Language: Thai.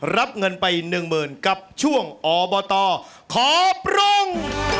รับเงินไปหนึ่งหมื่นกับช่วงอบตขอปรุง